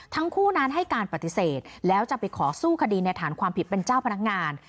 ทั้งคู่นั้นให้การปฏิเสธแล้วจะไปขอสู้คดีในฐานความผิดเป็นเจ้าพนักงาน